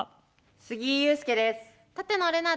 杉井勇介です。